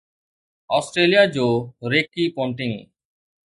Australia جو Rick Ponting